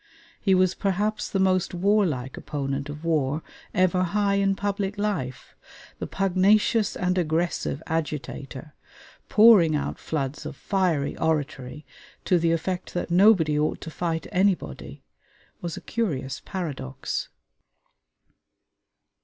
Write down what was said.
He was perhaps the most warlike opponent of war ever high in public life; the pugnacious and aggressive agitator, pouring out floods of fiery oratory to the effect that nobody ought to fight anybody, was a curious paradox.